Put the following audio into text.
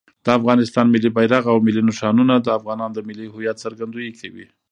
د افغانستان ملي بیرغ او ملي نښانونه د افغانانو د ملي هویت څرګندویي کوي.